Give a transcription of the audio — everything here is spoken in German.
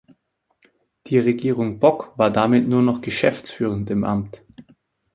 Die Regierung Boc war damit nur noch geschäftsführend im Amt.